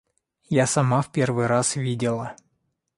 Я сама в первый раз видела.